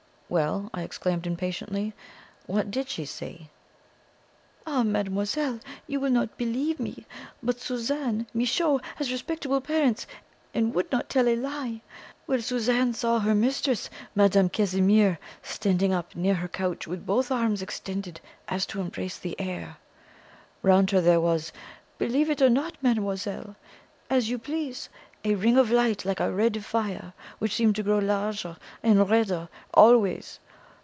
"Well!" I exclaimed impatiently. "WHAT did she see?" "Ah, mademoiselle, you will not believe me but Suzanne Michot has respectable parents, and would not tell a lie well, Suzanne saw her mistress, Madame Casimir, standing up near her couch with both arms extended as to embrace the air. Round her there was believe it or not, mademoiselle, as you please a ring of light like a red fire, which seemed to grow larger and redder always.